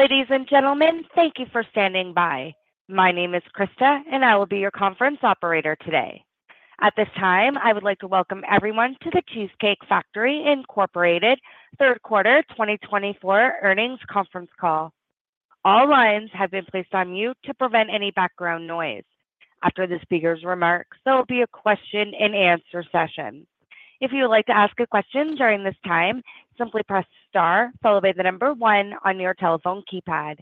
Ladies and gentlemen, thank you for standing by. My name is Krista, and I will be your conference operator today. At this time, I would like to welcome everyone to the Cheesecake Factory Incorporated Third Quarter 2024 Earnings Conference Call. All lines have been placed on mute to prevent any background noise. After the speaker's remarks, there will be a question-and-answer session. If you would like to ask a question during this time, simply press star followed by the number one on your telephone keypad,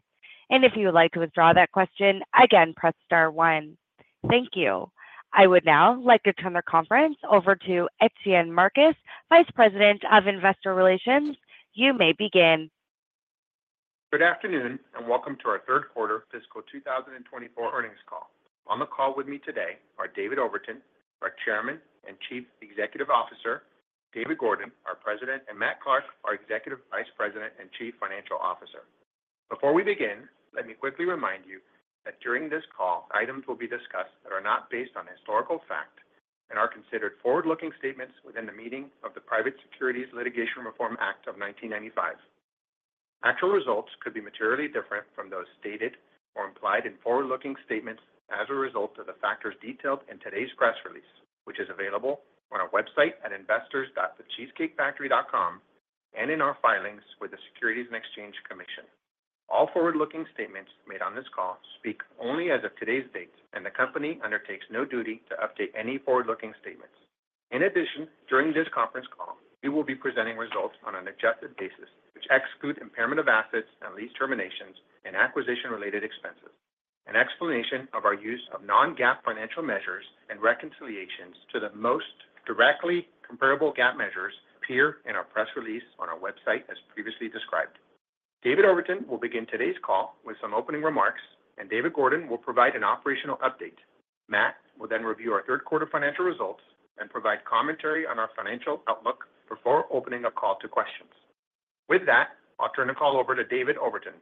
and if you would like to withdraw that question, again, press star one. Thank you. I would now like to turn the conference over to Etienne Marcus, Vice President of Investor Relations. You may begin. Good afternoon, and welcome to our third quarter fiscal 2024 earnings call. On the call with me today are David Overton, our Chairman and Chief Executive Officer, David Gordon, our President, and Matt Clark, our Executive Vice President and Chief Financial Officer. Before we begin, let me quickly remind you that during this call, items will be discussed that are not based on historical fact and are considered forward-looking statements within the meaning of the Private Securities Litigation Reform Act of 1995. Actual results could be materially different from those stated or implied in forward-looking statements as a result of the factors detailed in today's press release, which is available on our website at investors.thecheesecakefactory.com and in our filings with the Securities and Exchange Commission. All forward-looking statements made on this call speak only as of today's date, and the company undertakes no duty to update any forward-looking statements. In addition, during this conference call, we will be presenting results on an adjusted basis, which exclude impairment of assets and lease terminations and acquisition-related expenses. An explanation of our use of non-GAAP financial measures and reconciliations to the most directly comparable GAAP measures appears in our press release on our website as previously described. David Overton will begin today's call with some opening remarks, and David Gordon will provide an operational update. Matt will then review our third quarter financial results and provide commentary on our financial outlook before opening a call to questions. With that, I'll turn the call over to David Overton.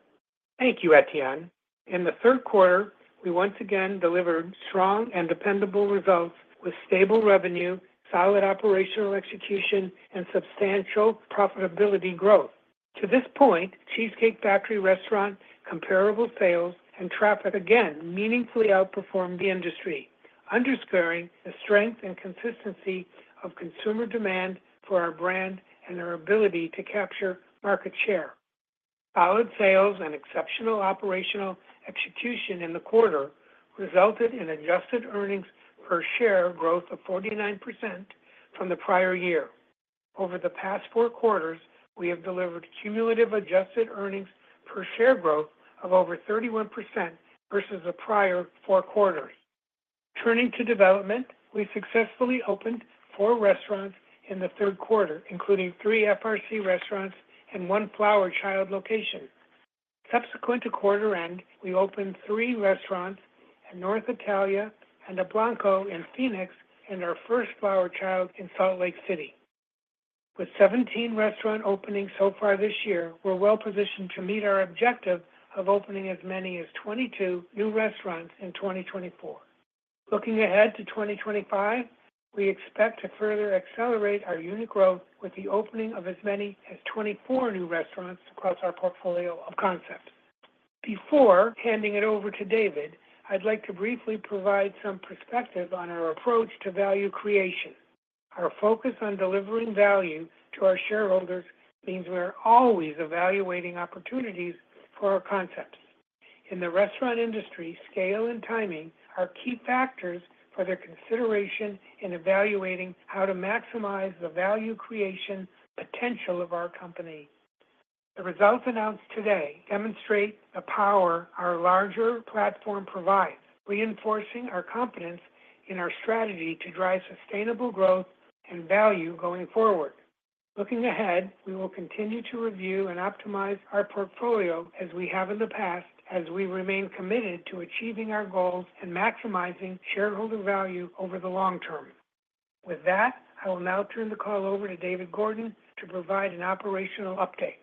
Thank you, Etienne. In the third quarter, we once again delivered strong and dependable results with stable revenue, solid operational execution, and substantial profitability growth. To this point, Cheesecake Factory restaurant comparable sales and traffic again meaningfully outperformed the industry, underscoring the strength and consistency of consumer demand for our brand and our ability to capture market share. Solid sales and exceptional operational execution in the quarter resulted in adjusted earnings per share growth of 49% from the prior year. Over the past four quarters, we have delivered cumulative adjusted earnings per share growth of over 31% versus the prior four quarters. Turning to development, we successfully opened four restaurants in the third quarter, including three FRC restaurants and one Flower Child location. Subsequent to quarter end, we opened three restaurants at North Italia and a Blanco in Phoenix and our first Flower Child in Salt Lake City. With 17 restaurant openings so far this year, we're well positioned to meet our objective of opening as many as 22 new restaurants in 2024. Looking ahead to 2025, we expect to further accelerate our unit growth with the opening of as many as 24 new restaurants across our portfolio of concepts. Before handing it over to David, I'd like to briefly provide some perspective on our approach to value creation. Our focus on delivering value to our shareholders means we're always evaluating opportunities for our concepts. In the restaurant industry, scale and timing are key factors for their consideration in evaluating how to maximize the value creation potential of our company. The results announced today demonstrate the power our larger platform provides, reinforcing our confidence in our strategy to drive sustainable growth and value going forward. Looking ahead, we will continue to review and optimize our portfolio as we have in the past, as we remain committed to achieving our goals and maximizing shareholder value over the long term. With that, I will now turn the call over to David Gordon to provide an operational update.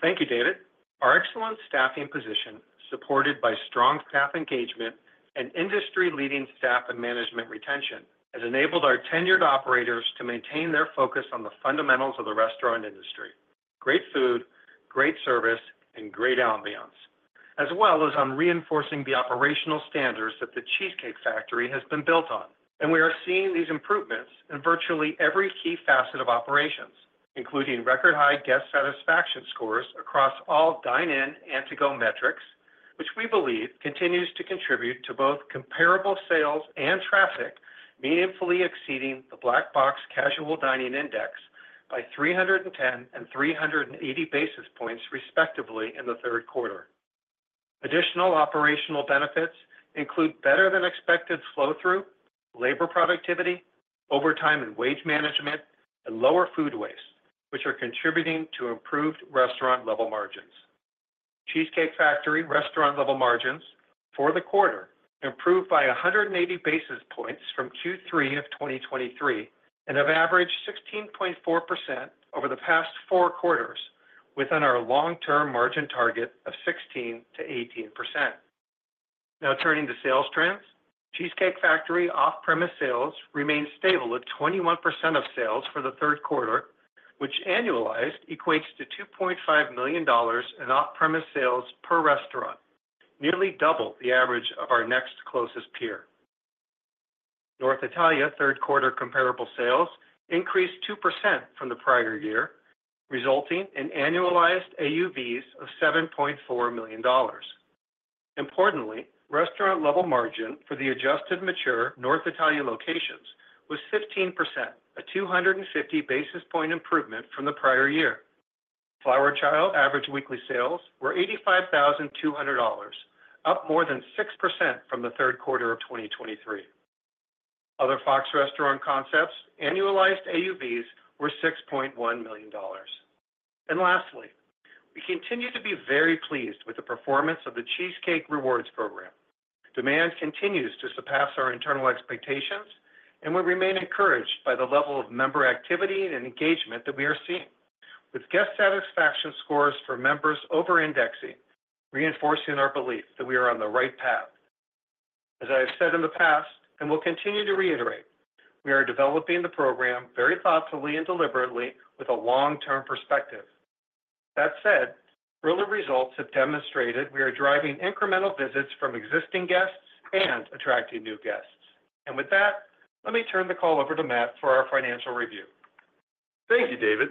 Thank you, David. Our excellent staffing position, supported by strong staff engagement and industry-leading staff and management retention, has enabled our tenured operators to maintain their focus on the fundamentals of the restaurant industry: great food, great service, and great ambiance, as well as on reinforcing the operational standards that the Cheesecake Factory has been built on. And we are seeing these improvements in virtually every key facet of operations, including record-high guest satisfaction scores across all dine-in and to-go metrics, which we believe continues to contribute to both comparable sales and traffic, meaningfully exceeding the Black Box Casual Dining Index by 310 and 380 basis points respectively in the third quarter. Additional operational benefits include better-than-expected flow-through, labor productivity, overtime and wage management, and lower food waste, which are contributing to improved restaurant-level margins. Cheesecake Factory restaurant-level margins for the quarter improved by 180 basis points from Q3 of 2023 and have averaged 16.4% over the past four quarters, within our long-term margin target of 16%-18%. Now turning to sales trends, Cheesecake Factory off-premise sales remained stable at 21% of sales for the third quarter, which annualized equates to $2.5 million in off-premise sales per restaurant, nearly double the average of our next closest peer. North Italia third quarter comparable sales increased 2% from the prior year, resulting in annualized AUVs of $7.4 million. Importantly, restaurant-level margin for the adjusted mature North Italia locations was 15%, a 250 basis point improvement from the prior year. Flower Child average weekly sales were $85,200, up more than 6% from the third quarter of 2023. Other Fox restaurant concepts annualized AUVs were $6.1 million. And lastly, we continue to be very pleased with the performance of the Cheesecake Rewards program. Demand continues to surpass our internal expectations, and we remain encouraged by the level of member activity and engagement that we are seeing, with guest satisfaction scores for members over-indexing, reinforcing our belief that we are on the right path. As I have said in the past, and will continue to reiterate, we are developing the program very thoughtfully and deliberately with a long-term perspective. That said, early results have demonstrated we are driving incremental visits from existing guests and attracting new guests. And with that, let me turn the call over to Matt for our financial review. Thank you, David.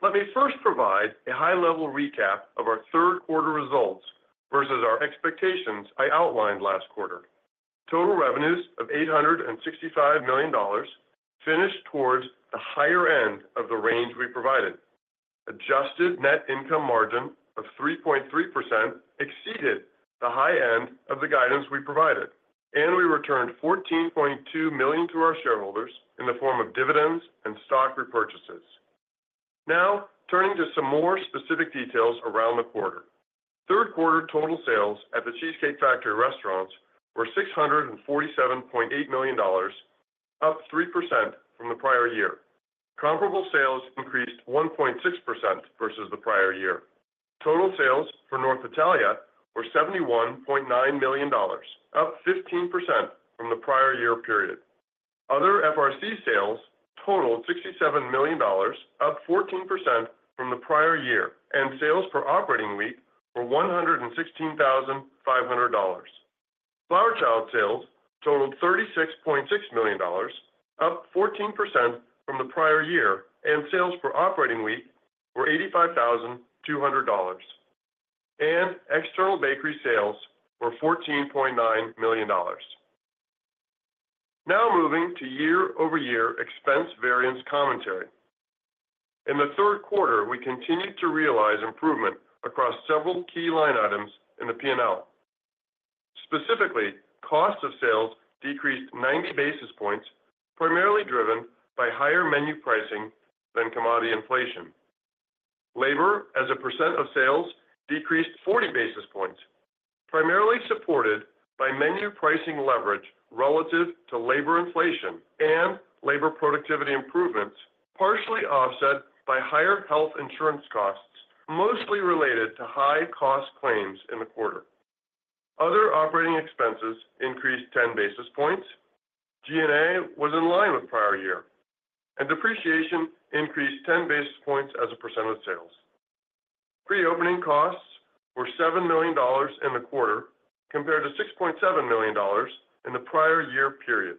Let me first provide a high-level recap of our third quarter results versus our expectations, I outlined last quarter. Total revenues of $865 million finished towards the higher end of the range we provided. Adjusted net income margin of 3.3% exceeded the high end of the guidance we provided, and we returned $14.2 million to our shareholders in the form of dividends and stock repurchases. Now turning to some more specific details around the quarter. Third quarter total sales at The Cheesecake Factory restaurants were $647.8 million, up 3% from the prior year. Comparable sales increased 1.6% versus the prior year. Total sales for North Italia were $71.9 million, up 15% from the prior year period. Other FRC sales totaled $67 million, up 14% from the prior year, and sales per operating week were $116,500. Flower Child sales totaled $36.6 million, up 14% from the prior year, and sales per operating week were $85,200, and external bakery sales were $14.9 million. Now moving to year-over-year expense variance commentary. In the third quarter, we continued to realize improvement across several key line items in the P&L. Specifically, cost of sales decreased 90 basis points, primarily driven by higher menu pricing than commodity inflation. Labor as a percent of sales decreased 40 basis points, primarily supported by menu pricing leverage relative to labor inflation and labor productivity improvements, partially offset by higher health insurance costs, mostly related to high-cost claims in the quarter. Other operating expenses increased 10 basis points. G&A was in line with prior year, and depreciation increased 10 basis points as a percent of sales. Pre-opening costs were $7 million in the quarter, compared to $6.7 million in the prior year period.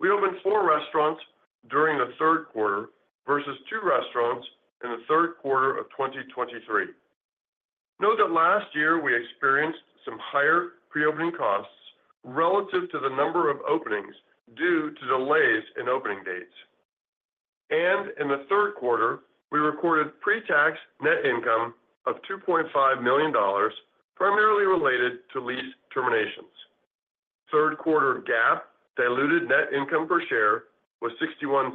We opened four restaurants during the third quarter versus two restaurants in the third quarter of 2023. Note that last year we experienced some higher pre-opening costs relative to the number of openings due to delays in opening dates. And in the third quarter, we recorded pre-tax net income of $2.5 million, primarily related to lease terminations. Third quarter GAAP diluted net income per share was $0.61.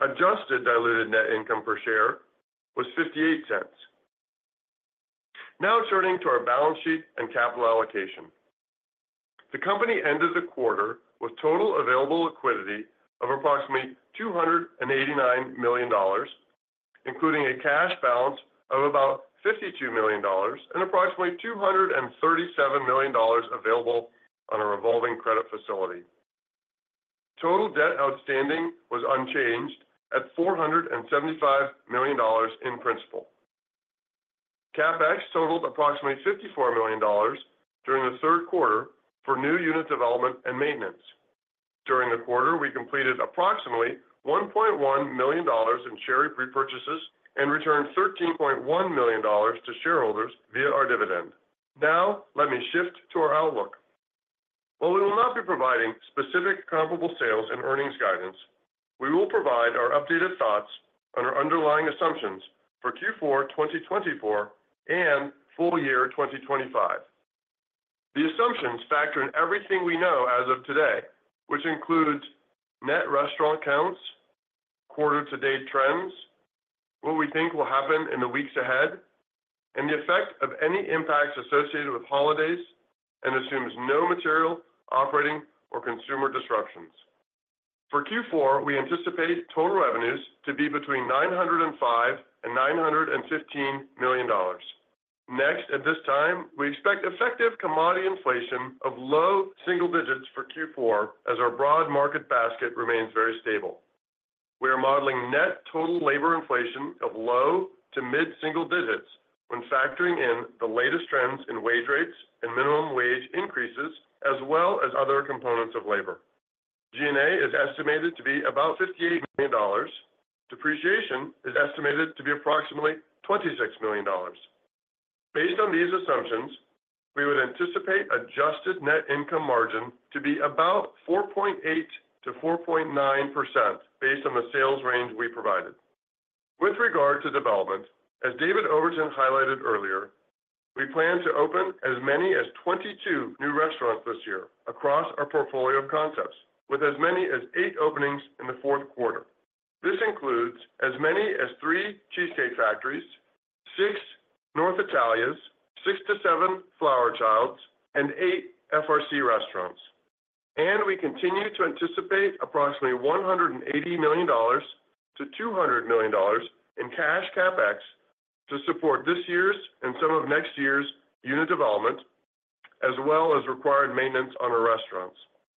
Adjusted diluted net income per share was $0.58. Now turning to our balance sheet and capital allocation. The company ended the quarter with total available liquidity of approximately $289 million, including a cash balance of about $52 million and approximately $237 million available on a revolving credit facility. Total debt outstanding was unchanged at $475 million in principal. CapEx totaled approximately $54 million during the third quarter for new unit development and maintenance. During the quarter, we completed approximately $1.1 million in share repurchases and returned $13.1 million to shareholders via our dividend. Now let me shift to our outlook. While we will not be providing specific comparable sales and earnings guidance, we will provide our updated thoughts on our underlying assumptions for Q4 2024 and Full Year 2025. The assumptions factor in everything we know as of today, which includes net restaurant counts, quarter-to-date trends, what we think will happen in the weeks ahead, and the effect of any impacts associated with holidays, and assumes no material operating or consumer disruptions. For Q4, we anticipate total revenues to be between $905 and $915 million. Next, at this time, we expect effective commodity inflation of low single digits for Q4 as our broad market basket remains very stable. We are modeling net total labor inflation of low to mid-single digits when factoring in the latest trends in wage rates and minimum wage increases, as well as other components of labor. G&A is estimated to be about $58 million. Depreciation is estimated to be approximately $26 million. Based on these assumptions, we would anticipate adjusted net income margin to be about 4.8%-4.9% based on the sales range we provided. With regard to development, as David Overton highlighted earlier, we plan to open as many as 22 new restaurants this year across our portfolio of concepts, with as many as eight openings in the fourth quarter. This includes as many as three Cheesecake Factories, six North Italias, six to seven Flower Childs, and eight FRC restaurants. And we continue to anticipate approximately $180 million-$200 million in cash CapEx to support this year's and some of next year's unit development, as well as required maintenance on our restaurants.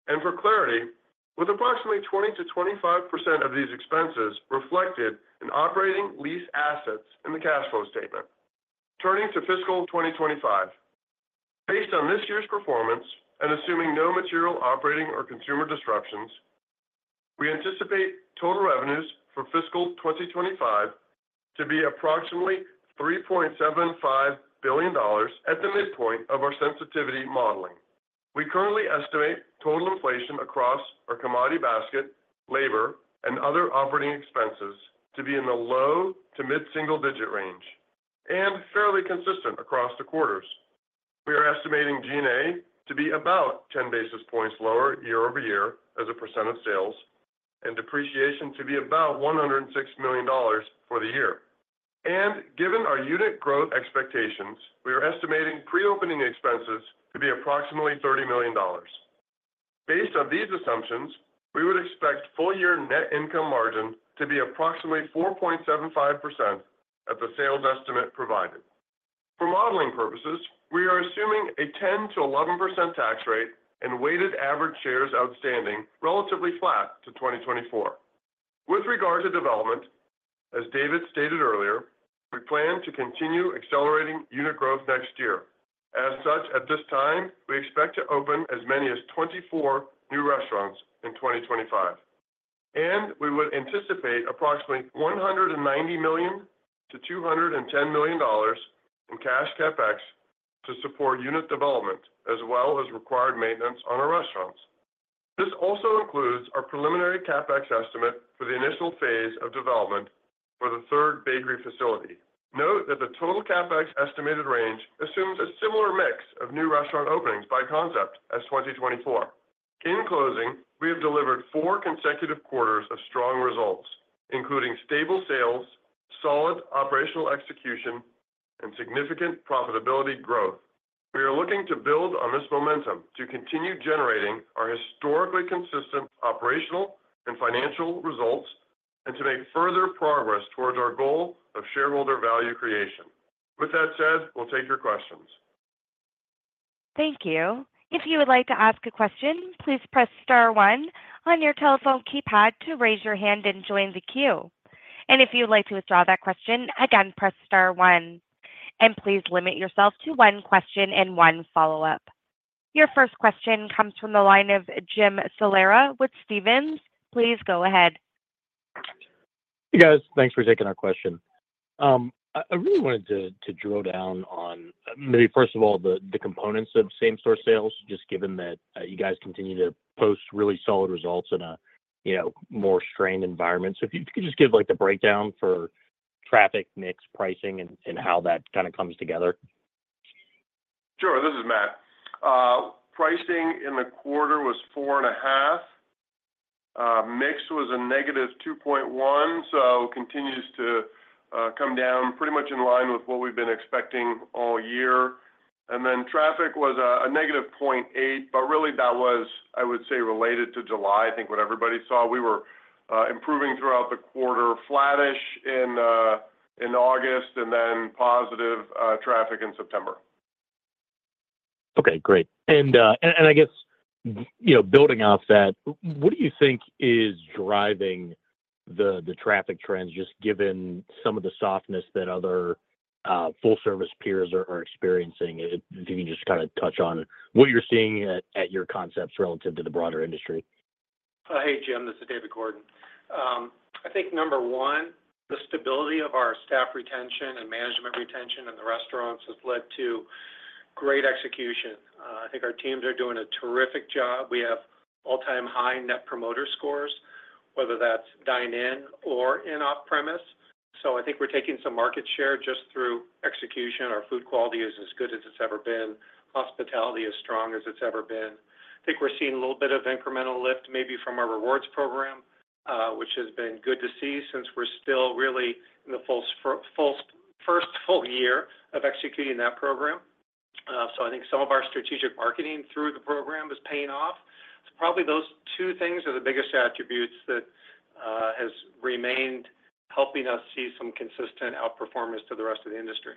And for clarity, with approximately 20%-25% of these expenses reflected in operating lease assets in the cash flow statement. Turning to fiscal 2025, based on this year's performance and assuming no material operating or consumer disruptions, we anticipate total revenues for fiscal 2025 to be approximately $3.75 billion at the midpoint of our sensitivity modeling. We currently estimate total inflation across our commodity basket, labor, and other operating expenses to be in the low to mid-single digit range and fairly consistent across the quarters. We are estimating G&A to be about 10 basis points lower year over year as a percent of sales and depreciation to be about $106 million for the year. Given our unit growth expectations, we are estimating pre-opening expenses to be approximately $30 million. Based on these assumptions, we would expect full year net income margin to be approximately 4.75% at the sales estimate provided. For modeling purposes, we are assuming a 10%-11% tax rate and weighted average shares outstanding relatively flat to 2024. With regard to development, as David stated earlier, we plan to continue accelerating unit growth next year. As such, at this time, we expect to open as many as 24 new restaurants in 2025. We would anticipate approximately $190 million-$210 million in cash CapEx to support unit development, as well as required maintenance on our restaurants. This also includes our preliminary CapEx estimate for the initial phase of development for the third bakery facility. Note that the total CapEx estimated range assumes a similar mix of new restaurant openings by concept as 2024. In closing, we have delivered four consecutive quarters of strong results, including stable sales, solid operational execution, and significant profitability growth. We are looking to build on this momentum to continue generating our historically consistent operational and financial results and to make further progress towards our goal of shareholder value creation. With that said, we'll take your questions. Thank you. If you would like to ask a question, please press star one on your telephone keypad to raise your hand and join the queue. And if you'd like to withdraw that question, again, press star one. And please limit yourself to one question and one follow-up. Your first question comes from the line of Jim Salera with Stephens. Please go ahead. Hey, guys. Thanks for taking our question. I really wanted to drill down on, maybe first of all, the components of same-store sales, just given that you guys continue to post really solid results in a more strained environment. So if you could just give the breakdown for traffic, mix, pricing, and how that kind of comes together. Sure. This is Matt. Pricing in the quarter was 4.5%. Mix was -2.1%, so continues to come down pretty much in line with what we've been expecting all year, and then traffic was -0.8%, but really that was, I would say, related to July. I think what everybody saw, we were improving throughout the quarter, flattish in August, and then positive traffic in September. Okay. Great. And I guess building off that, what do you think is driving the traffic trends, just given some of the softness that other full-service peers are experiencing? If you can just kind of touch on what you're seeing at your concepts relative to the broader industry. Hey, Jim. This is David Gordon. I think number one, the stability of our staff retention and management retention in the restaurants has led to great execution. I think our teams are doing a terrific job. We have all-time high net promoter scores, whether that's dine-in or off-premise. So I think we're taking some market share just through execution. Our food quality is as good as it's ever been. Hospitality is strong as it's ever been. I think we're seeing a little bit of incremental lift, maybe from our rewards program, which has been good to see since we're still really in the first full year of executing that program. So I think some of our strategic marketing through the program is paying off. So probably those two things are the biggest attributes that have remained helping us see some consistent outperformance to the rest of the industry.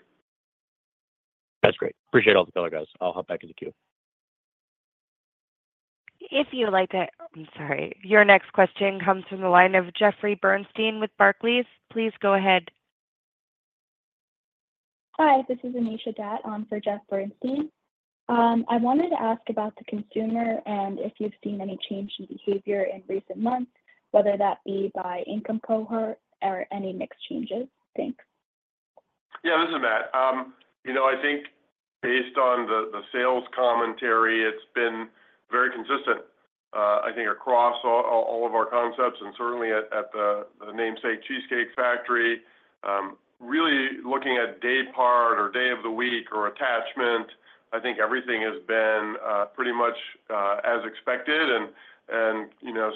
That's great. Appreciate all the color, guys. I'll hop back into the queue. If you'd like to. I'm sorry. Your next question comes from the line of Jeffrey Bernstein with Barclays. Please go ahead. Hi. This is Anisha Datt on for Jeff Bernstein. I wanted to ask about the consumer and if you've seen any change in behavior in recent months, whether that be by income cohort or any mixed changes. Thanks. Yeah. This is Matt. I think based on the sales commentary, it's been very consistent, I think, across all of our concepts and certainly at the namesake Cheesecake Factory. Really looking at day part or day of the week or attachment, I think everything has been pretty much as expected and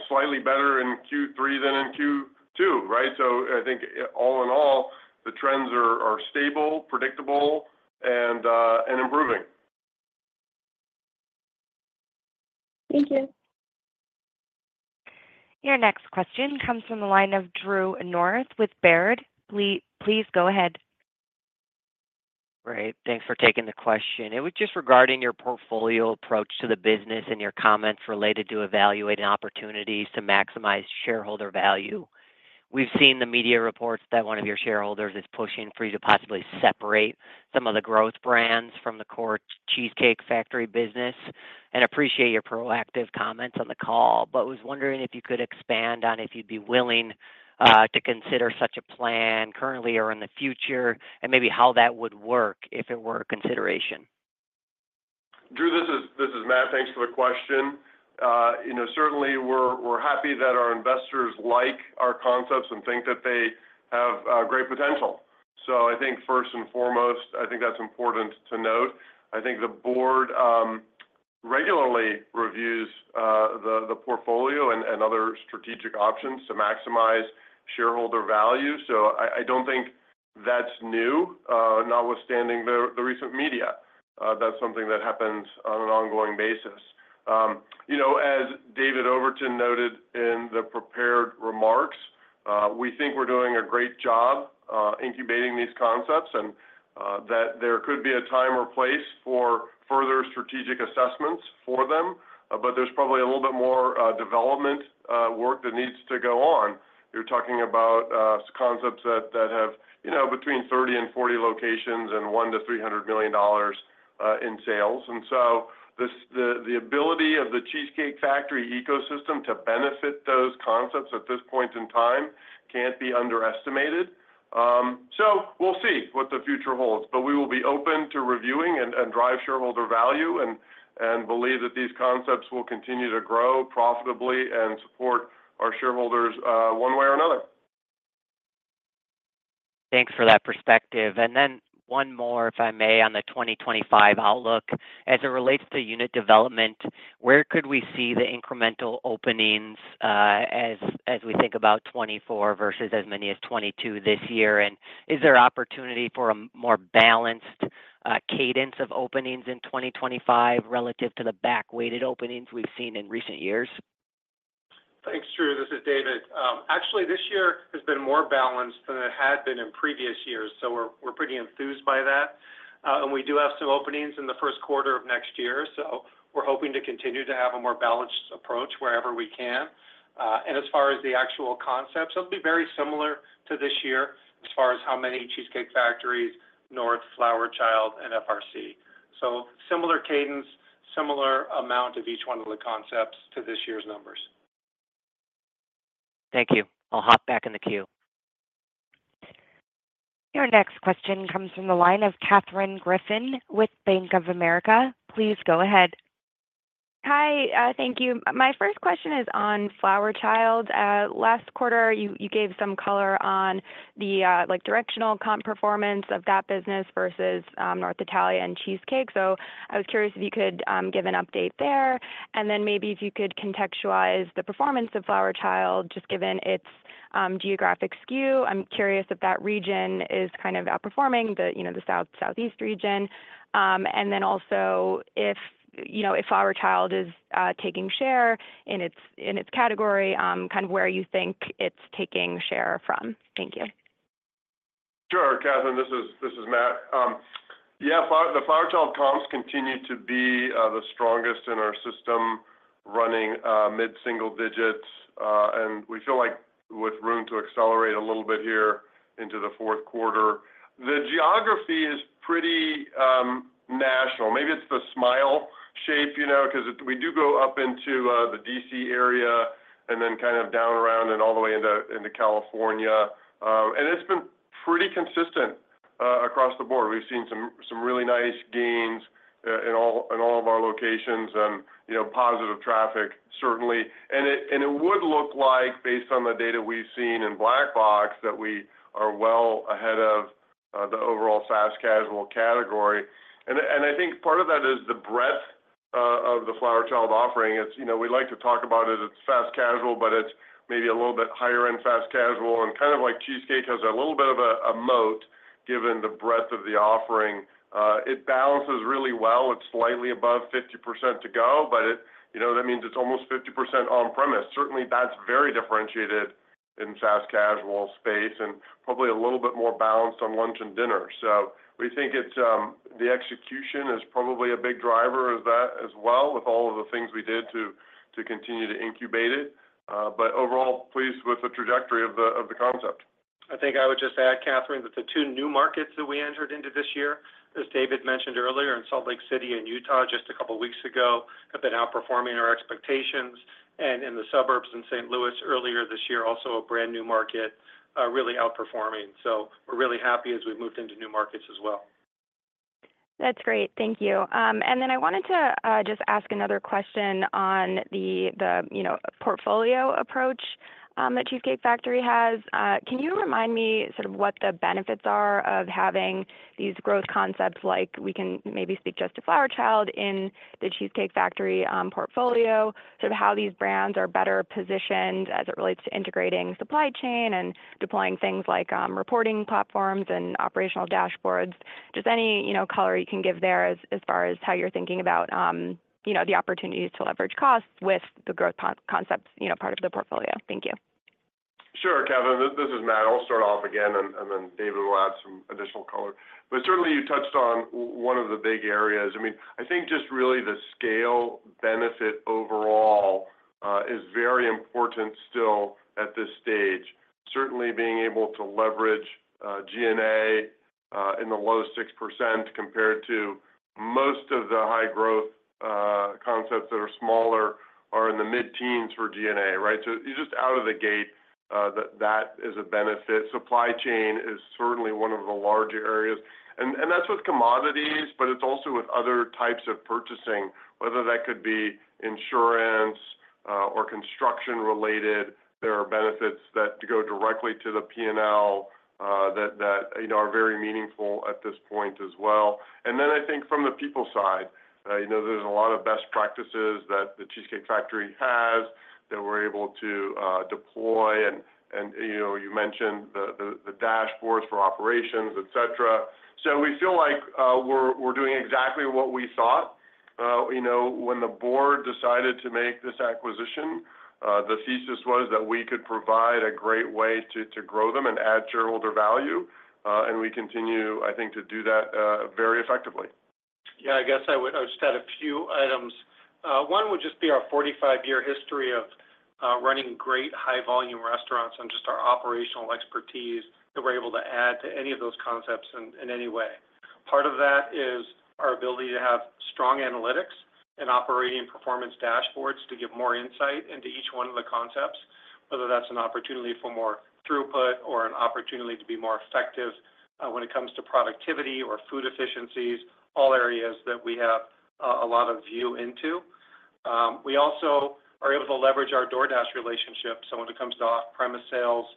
slightly better in Q3 than in Q2, right? So I think all in all, the trends are stable, predictable, and improving. Thank you. Your next question comes from the line of Drew North with Baird. Please go ahead. Great. Thanks for taking the question. It was just regarding your portfolio approach to the business and your comments related to evaluating opportunities to maximize shareholder value. We've seen the media reports that one of your shareholders is pushing for you to possibly separate some of the growth brands from the core Cheesecake Factory business. And appreciate your proactive comments on the call, but was wondering if you could expand on if you'd be willing to consider such a plan currently or in the future and maybe how that would work if it were a consideration. Drew, this is Matt. Thanks for the question. Certainly, we're happy that our investors like our concepts and think that they have great potential. So I think first and foremost, I think that's important to note. I think the board regularly reviews the portfolio and other strategic options to maximize shareholder value. So I don't think that's new, notwithstanding the recent media. That's something that happens on an ongoing basis. As David Overton noted in the prepared remarks, we think we're doing a great job incubating these concepts and that there could be a time or place for further strategic assessments for them, but there's probably a little bit more development work that needs to go on. You're talking about concepts that have between 30 and 40 locations and one to $300 million in sales. And so the ability of the Cheesecake Factory ecosystem to benefit those concepts at this point in time can't be underestimated. So we'll see what the future holds, but we will be open to reviewing and drive shareholder value and believe that these concepts will continue to grow profitably and support our shareholders one way or another. Thanks for that perspective. And then one more, if I may, on the 2025 outlook. As it relates to unit development, where could we see the incremental openings as we think about 2024 versus as many as 2022 this year? And is there opportunity for a more balanced cadence of openings in 2025 relative to the back-weighted openings we've seen in recent years? Thanks, Drew. This is David. Actually, this year has been more balanced than it had been in previous years, so we're pretty enthused by that. And we do have some openings in the first quarter of next year, so we're hoping to continue to have a more balanced approach wherever we can. And as far as the actual concepts, it'll be very similar to this year as far as how many Cheesecake Factories, North, Flower Child, and FRC. So similar cadence, similar amount of each one of the concepts to this year's numbers. Thank you. I'll hop back in the queue. Your next question comes from the line of Katherine Griffin with Bank of America. Please go ahead. Hi. Thank you. My first question is on Flower Child. Last quarter, you gave some color on the directional comp performance of that business versus North Italia and Cheesecake. So I was curious if you could give an update there, and then maybe if you could contextualize the performance of Flower Child, just given its geographic skew. I'm curious if that region is kind of outperforming the southeast region, and then also if Flower Child is taking share in its category, kind of where you think it's taking share from. Thank you. Sure. Katherine, this is Matt. Yeah. The Flower Child comps continue to be the strongest in our system, running mid-single digits. And we feel like with room to accelerate a little bit here into the fourth quarter. The geography is pretty national. Maybe it's the smile shape because we do go up into the DC area and then kind of down around and all the way into California. And it's been pretty consistent across the board. We've seen some really nice gains in all of our locations and positive traffic, certainly. And it would look like, based on the data we've seen in Black Box, that we are well ahead of the overall fast casual category. And I think part of that is the breadth of the Flower Child offering. We like to talk about it as fast casual, but it's maybe a little bit higher-end fast casual. Kind of like Cheesecake has a little bit of a moat given the breadth of the offering. It balances really well. It's slightly above 50% to go, but that means it's almost 50% on-premise. Certainly, that's very differentiated in fast casual space and probably a little bit more balanced on lunch and dinner. So we think the execution is probably a big driver as well with all of the things we did to continue to incubate it. But overall, pleased with the trajectory of the concept. I think I would just add, Katherine, that the two new markets that we entered into this year, as David mentioned earlier, in Salt Lake City and Utah just a couple of weeks ago, have been outperforming our expectations, and in the suburbs in St. Louis earlier this year, also a brand new market really outperforming, so we're really happy as we've moved into new markets as well. That's great. Thank you, and then I wanted to just ask another question on the portfolio approach that Cheesecake Factory has. Can you remind me sort of what the benefits are of having these growth concepts like we can maybe speak just to Flower Child in the Cheesecake Factory portfolio. Sort of how these brands are better positioned as it relates to integrating supply chain and deploying things like reporting platforms and operational dashboards? Just any color you can give there as far as how you're thinking about the opportunities to leverage costs with the growth concepts part of the portfolio. Thank you. Sure. Katherine, this is Matt. I'll start off again, and then David will add some additional color. But certainly, you touched on one of the big areas. I mean, I think just really the scale benefit overall is very important still at this stage. Certainly, being able to leverage G&A in the low 6% compared to most of the high-growth concepts that are smaller are in the mid-teens for G&A, right? So just out of the gate, that is a benefit. Supply chain is certainly one of the larger areas. And that's with commodities, but it's also with other types of purchasing, whether that could be insurance or construction-related. There are benefits that go directly to the P&L that are very meaningful at this point as well. And then I think from the people side, there's a lot of best practices that The Cheesecake Factory has that we're able to deploy. And you mentioned the dashboards for operations, etc. So we feel like we're doing exactly what we thought. When the board decided to make this acquisition, the thesis was that we could provide a great way to grow them and add shareholder value. And we continue, I think, to do that very effectively. Yeah. I guess I would just add a few items. One would just be our 45-year history of running great high-volume restaurants and just our operational expertise that we're able to add to any of those concepts in any way. Part of that is our ability to have strong analytics and operating performance dashboards to give more insight into each one of the concepts, whether that's an opportunity for more throughput or an opportunity to be more effective when it comes to productivity or food efficiencies, all areas that we have a lot of view into. We also are able to leverage our DoorDash relationship. So when it comes to off-premise sales,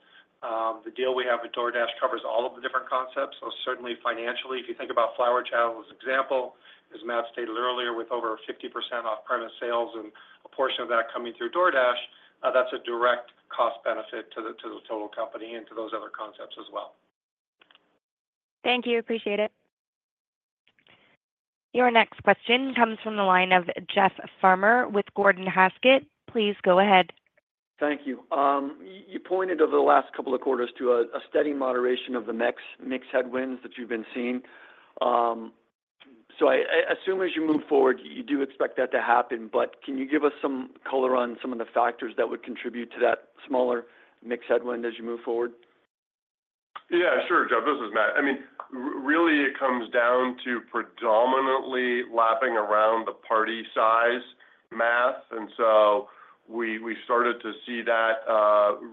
the deal we have with DoorDash covers all of the different concepts. So certainly, financially, if you think about Flower Child as an example, as Matt stated earlier, with over 50% off-premise sales and a portion of that coming through DoorDash, that's a direct cost benefit to the total company and to those other concepts as well. Thank you. Appreciate it. Your next question comes from the line of Jeff Farmer with Gordon Haskett. Please go ahead. Thank you. You pointed over the last couple of quarters to a steady moderation of the mixed headwinds that you've been seeing. So I assume as you move forward, you do expect that to happen, but can you give us some color on some of the factors that would contribute to that smaller mixed headwind as you move forward? Yeah. Sure, Jeff. This is Matt. I mean, really, it comes down to predominantly lapping around the party size math. And so we started to see that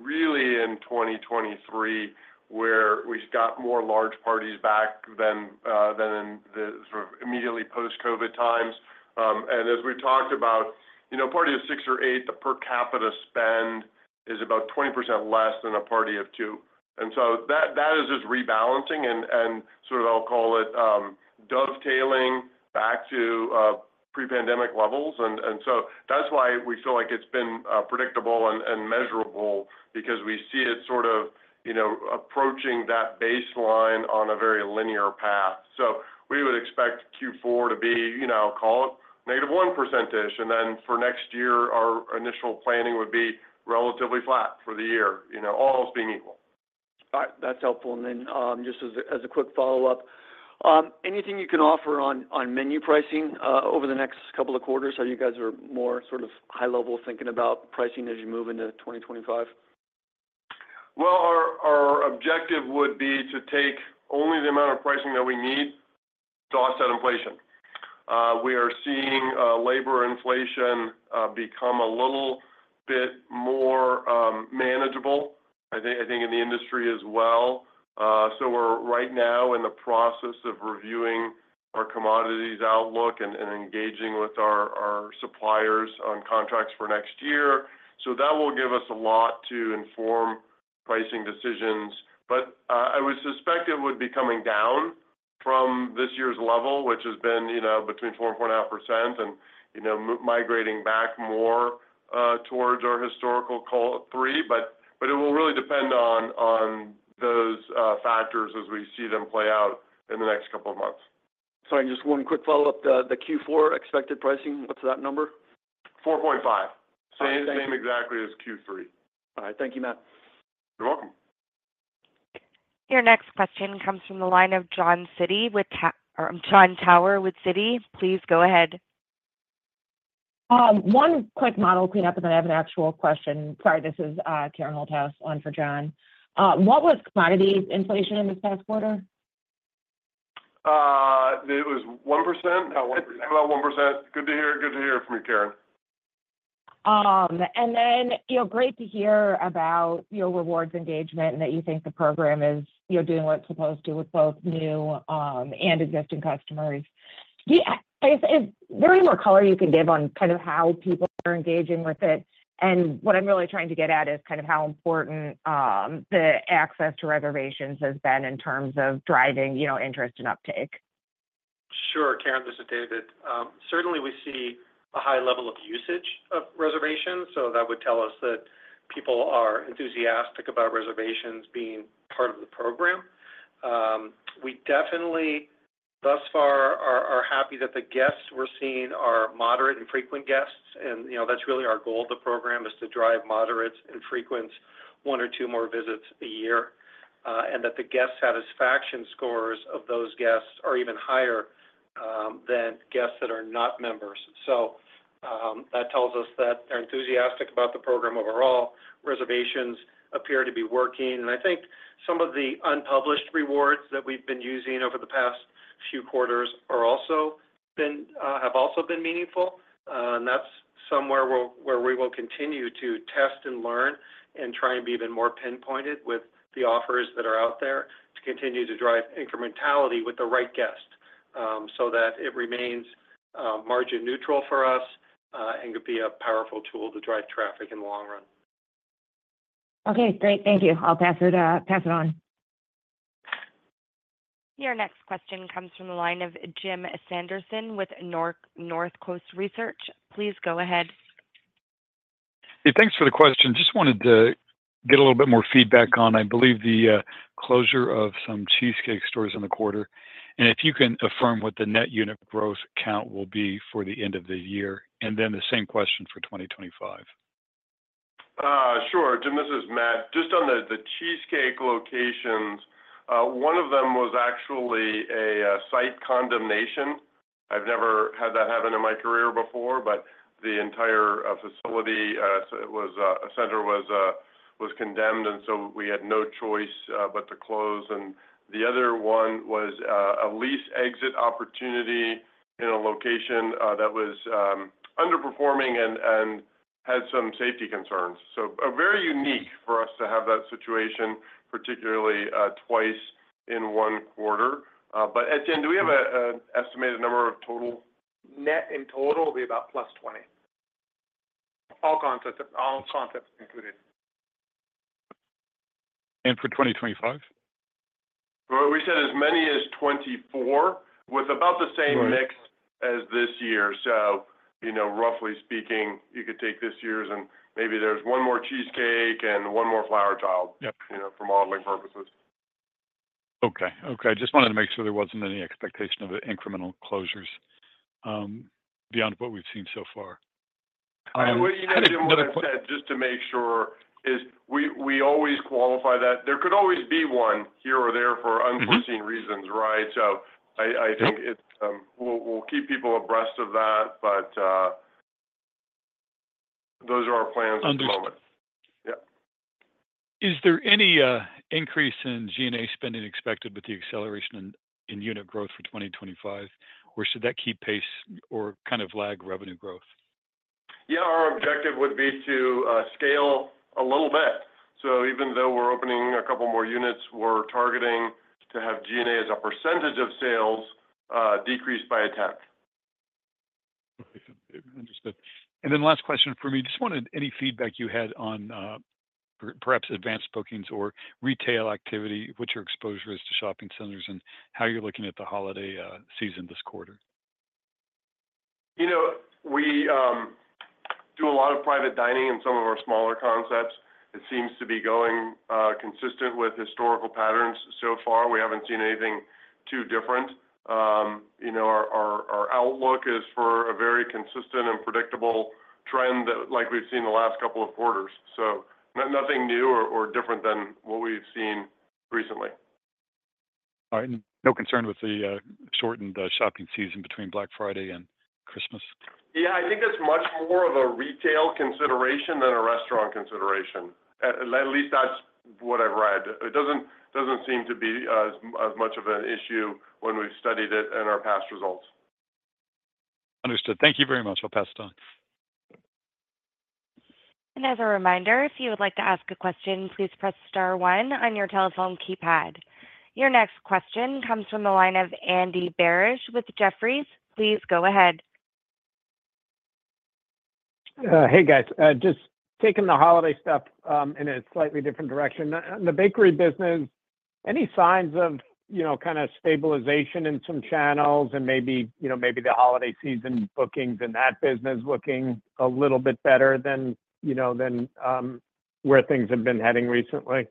really in 2023, where we got more large parties back than in the sort of immediately post-COVID times. And as we talked about, party of six or eight, the per capita spend is about 20% less than a party of two. And so that is just rebalancing and sort of, I'll call it, dovetailing back to pre-pandemic levels. And so that's why we feel like it's been predictable and measurable because we see it sort of approaching that baseline on a very linear path. So we would expect Q4 to be, I'll call it, -1%. And then for next year, our initial planning would be relatively flat for the year, almost being equal. All right. That's helpful. And then just as a quick follow-up, anything you can offer on menu pricing over the next couple of quarters? Are you guys more sort of high-level thinking about pricing as you move into 2025? Our objective would be to take only the amount of pricing that we need to offset inflation. We are seeing labor inflation become a little bit more manageable, I think, in the industry as well. So we're right now in the process of reviewing our commodities outlook and engaging with our suppliers on contracts for next year. So that will give us a lot to inform pricing decisions. But I would suspect it would be coming down from this year's level, which has been between 4% and 4.5% and migrating back more towards our historical 3%. But it will really depend on those factors as we see them play out in the next couple of months. Sorry, just one quick follow-up. The Q4 expected pricing, what's that number? 4.5. Same exactly as Q3. All right. Thank you, Matt. You're welcome. Your next question comes from the line of John Tower with Citi. Please go ahead. One quick model cleanup, and then I have an actual question. Sorry, this is Karen Holthouse on for John. What was commodities inflation in this past quarter? It was 1%. About 1%. Good to hear from you, Karen. And then great to hear about your rewards engagement and that you think the program is doing what it's supposed to with both new and existing customers. Is there any more color you can give on kind of how people are engaging with it? And what I'm really trying to get at is kind of how important the access to reservations has been in terms of driving interest and uptake. Sure. Karen, this is David. Certainly, we see a high level of usage of reservations, so that would tell us that people are enthusiastic about reservations being part of the program. We definitely, thus far, are happy that the guests we're seeing are moderate and frequent guests, and that's really our goal of the program is to drive moderate and frequent one or two more visits a year, and that the guest satisfaction scores of those guests are even higher than guests that are not members, so that tells us that they're enthusiastic about the program overall. Reservations appear to be working, and I think some of the unpublished rewards that we've been using over the past few quarters have also been meaningful. That's somewhere where we will continue to test and learn and try and be even more pinpointed with the offers that are out there to continue to drive incrementality with the right guest so that it remains margin neutral for us and could be a powerful tool to drive traffic in the long run. Okay. Great. Thank you. I'll pass it on. Your next question comes from the line of Jim Sanderson with North Coast Research. Please go ahead. Hey, thanks for the question. Just wanted to get a little bit more feedback on, I believe, the closure of some Cheesecake stores in the quarter, and if you can affirm what the net unit growth count will be for the end of the year, and then the same question for 2025? Sure. Jim, this is Matt. Just on the Cheesecake locations, one of them was actually a site condemnation. I've never had that happen in my career before, but the entire facility, the center, was condemned. And so we had no choice but to close. And the other one was a lease exit opportunity in a location that was underperforming and had some safety concerns. So very unique for us to have that situation, particularly twice in one quarter. But at the end, do we have an estimated number of total? Net in total will be about plus 20, all concepts included. For 2025? We said as many as 24 with about the same mix as this year, so roughly speaking, you could take this year's and maybe there's one more Cheesecake and one more Flower Child for modeling purposes. Okay. Okay. I just wanted to make sure there wasn't any expectation of incremental closures beyond what we've seen so far. What you need to do more than just to make sure is we always qualify that there could always be one here or there for unforeseen reasons, right? So I think we'll keep people abreast of that, but those are our plans at the moment. Yeah. Is there any increase in G&A spending expected with the acceleration in unit growth for 2025, or should that keep pace or kind of lag revenue growth? Yeah. Our objective would be to scale a little bit. So even though we're opening a couple more units, we're targeting to have G&A as a percentage of sales decrease by a tenth. Understood. Then, last question for me. Just wanted any feedback you had on perhaps advanced bookings or retail activity, what your exposure is to shopping centers, and how you're looking at the holiday season this quarter. We do a lot of private dining in some of our smaller concepts. It seems to be going consistent with historical patterns so far. We haven't seen anything too different. Our outlook is for a very consistent and predictable trend like we've seen the last couple of quarters. So nothing new or different than what we've seen recently. All right. No concern with the shortened shopping season between Black Friday and Christmas? Yeah. I think that's much more of a retail consideration than a restaurant consideration. At least that's what I've read. It doesn't seem to be as much of an issue when we've studied it in our past results. Understood. Thank you very much. I'll pass it on. As a reminder, if you would like to ask a question, please press star one on your telephone keypad. Your next question comes from the line of Andy Barish with Jefferies. Please go ahead. Hey, guys. Just taking the holiday step in a slightly different direction. In the bakery business, any signs of kind of stabilization in some channels and maybe the holiday season bookings in that business looking a little bit better than where things have been heading recently?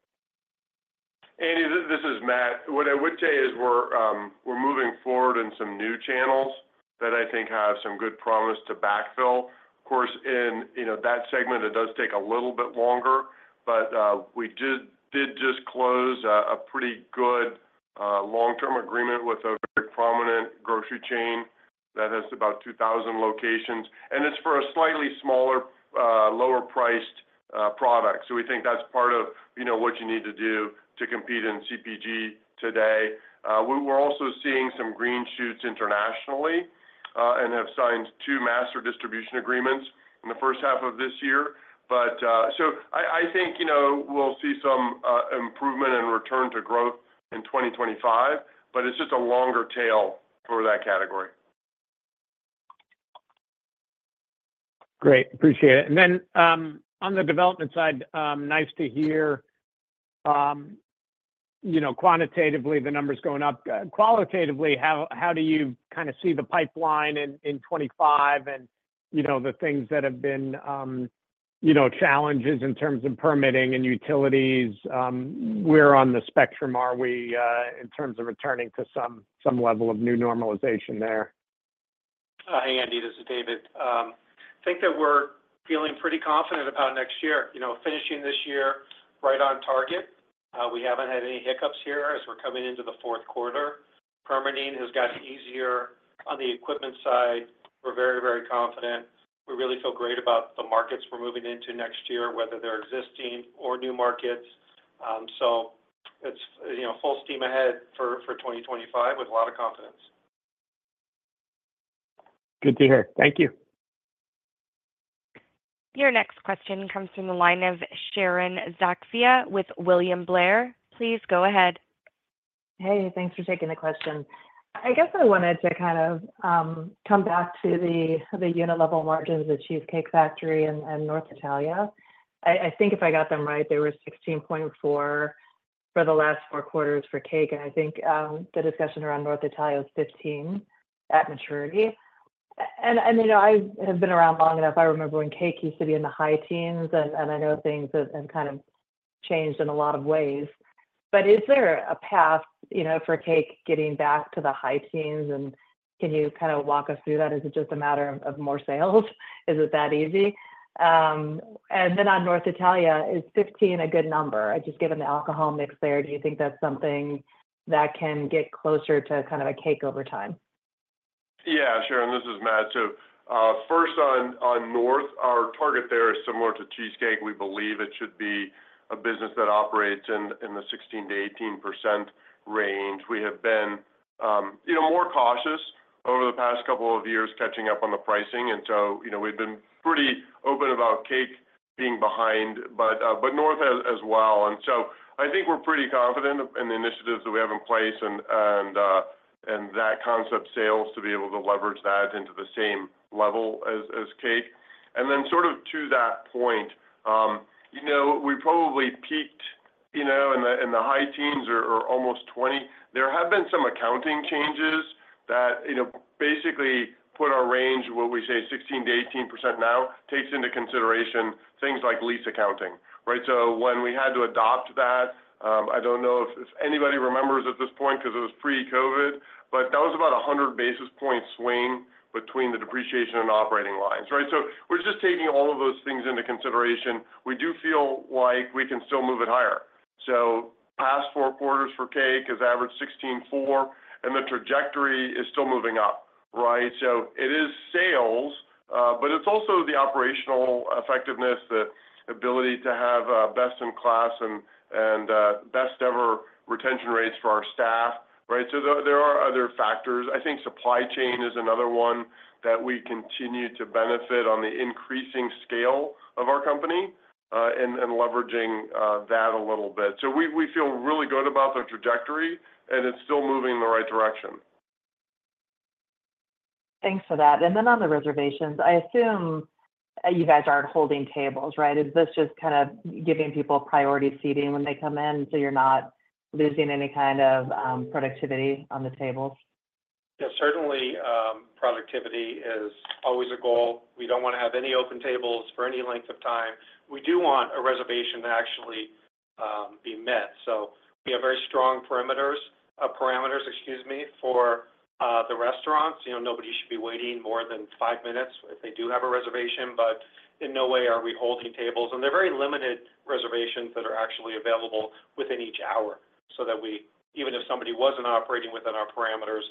Andy, this is Matt. What I would say is we're moving forward in some new channels that I think have some good promise to backfill. Of course, in that segment, it does take a little bit longer, but we did just close a pretty good long-term agreement with a very prominent grocery chain that has about 2,000 locations, and it's for a slightly smaller, lower-priced product, so we think that's part of what you need to do to compete in CPG today. We're also seeing some green shoots internationally and have signed two master distribution agreements in the first half of this year, so I think we'll see some improvement and return to growth in 2025, but it's just a longer tail for that category. Great. Appreciate it. And then on the development side, nice to hear quantitatively the numbers going up. Qualitatively, how do you kind of see the pipeline in 2025 and the things that have been challenges in terms of permitting and utilities? Where on the spectrum are we in terms of returning to some level of new normalization there? Hi, Andy. This is David. I think that we're feeling pretty confident about next year, finishing this year right on target. We haven't had any hiccups here as we're coming into the fourth quarter. Permitting has gotten easier on the equipment side. We're very, very confident. We really feel great about the markets we're moving into next year, whether they're existing or new markets. So full steam ahead for 2025 with a lot of confidence. Good to hear. Thank you. Your next question comes from the line of Sharon Zackfia with William Blair. Please go ahead. Hey, thanks for taking the question. I guess I wanted to kind of come back to the unit-level margins of The Cheesecake Factory and North Italia. I think if I got them right, they were 16.4% for the last four quarters for Cake. And I think the discussion around North Italia was 15% at maturity. And I have been around long enough. I remember when Cake used to be in the high teens, and I know things have kind of changed in a lot of ways. But is there a path for Cake getting back to the high teens? And can you kind of walk us through that? Is it just a matter of more sales? Is it that easy? And then on North Italia, is 15% a good number? Just given the alcohol mix there, do you think that's something that can get closer to kind of a Cake over time? Yeah. Sure. And this is Matt. So first, on North, our target there is similar to Cheesecake. We believe it should be a business that operates in the 16%-18% range. We have been more cautious over the past couple of years catching up on the pricing. And so we've been pretty open about Cake being behind, but North as well. And so I think we're pretty confident in the initiatives that we have in place and that concept sales to be able to leverage that into the same level as Cake. And then sort of to that point, we probably peaked in the high teens or almost 20%. There have been some accounting changes that basically put our range, what we say 16%-18% now, takes into consideration things like lease accounting, right? So when we had to adopt that, I don't know if anybody remembers at this point because it was pre-COVID, but that was about 100 basis points swing between the depreciation and operating lines, right? So we're just taking all of those things into consideration. We do feel like we can still move it higher. So past four quarters for Cake has averaged 16.4, and the trajectory is still moving up, right? So it is sales, but it's also the operational effectiveness, the ability to have best-in-class and best-ever retention rates for our staff, right? So there are other factors. I think supply chain is another one that we continue to benefit on the increasing scale of our company and leveraging that a little bit. So we feel really good about the trajectory, and it's still moving in the right direction. Thanks for that. Then on the reservations, I assume you guys aren't holding tables, right? Is this just kind of giving people priority seating when they come in so you're not losing any kind of productivity on the tables? Yeah. Certainly, productivity is always a goal. We don't want to have any open tables for any length of time. We do want a reservation to actually be met, so we have very strong parameters, excuse me, for the restaurants. Nobody should be waiting more than five minutes if they do have a reservation, but in no way are we holding tables, and they're very limited reservations that are actually available within each hour so that even if somebody wasn't operating within our parameters,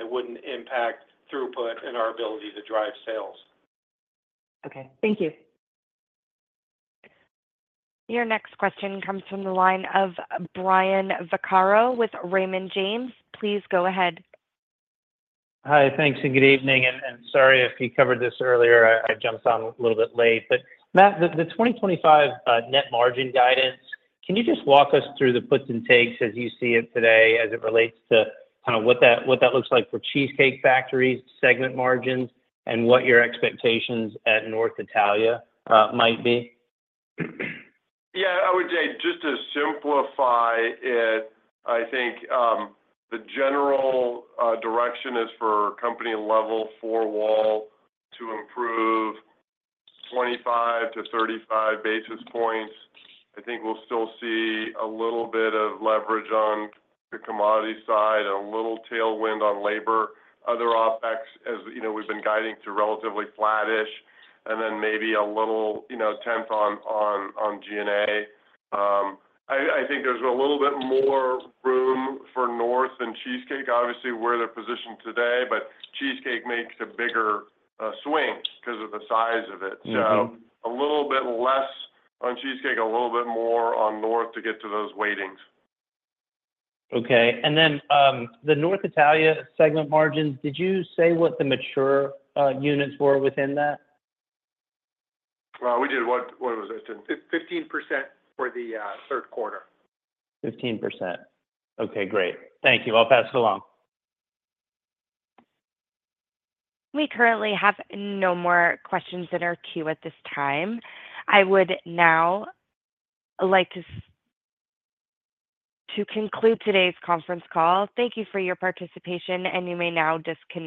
it wouldn't impact throughput and our ability to drive sales. Okay. Thank you. Your next question comes from the line of Brian Vaccaro with Raymond James. Please go ahead. Hi. Thanks. And good evening. And sorry if you covered this earlier. I jumped on a little bit late. But Matt, the 2025 net margin guidance, can you just walk us through the puts and takes as you see it today as it relates to kind of what that looks like for Cheesecake Factory's segment margins and what your expectations at North Italia might be? Yeah. I would say just to simplify it, I think the general direction is for company level four wall to improve 25-35 basis points. I think we'll still see a little bit of leverage on the commodity side and a little tailwind on labor. Other OpEx, as we've been guiding to, relatively flattish, and then maybe a little tenth on G&A. I think there's a little bit more room for North and Cheesecake, obviously, where they're positioned today, but Cheesecake makes a bigger swing because of the size of it. So a little bit less on Cheesecake, a little bit more on North to get to those weightings. Okay. And then the North Italia segment margins, did you say what the mature units were within that? We did. What was it? 15% for the third quarter. 15%. Okay. Great. Thank you. I'll pass it along. We currently have no more questions in our queue at this time. I would now like to conclude today's conference call. Thank you for your participation, and you may now disconnect.